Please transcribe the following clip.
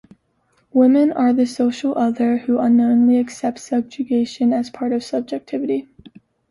Women are the social Other who unknowingly accept subjugation as part of subjectivity.